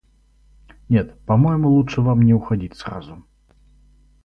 Нет, по-моему лучше вам не уходить сразу.